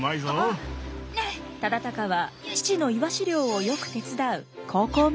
忠敬は父のイワシ漁をよく手伝う孝行息子でした。